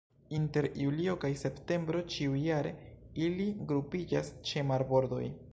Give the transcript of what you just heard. Inter julio kaj septembro ĉiujare ili grupiĝas ĉe marbordoj.